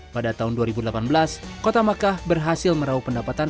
pada tahun dua ribu delapan belas kota makkah berhasil merauh pendapatan